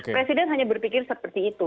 presiden hanya berpikir seperti itu